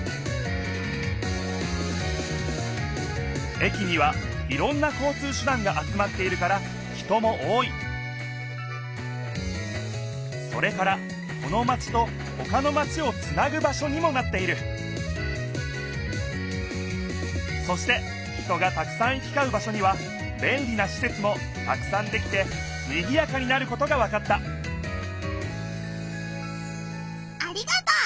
駅にはいろんな交通手だんが集まっているから人も多いそれからこのマチとほかのマチをつなぐ場しょにもなっているそして人がたくさん行きかう場しょにはべんりなしせつもたくさんできてにぎやかになることがわかったありがとう！